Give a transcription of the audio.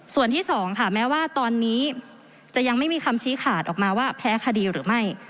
ส่วนที่สองค่ะแม้ว่าตอนนี้จะยังไม่มีคำชี้ขาดออกมาว่าแพ้คดีหรือไม่